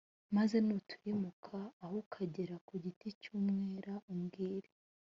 maze nutirimuka aho ukagera ku giti cy’ umwela umbwire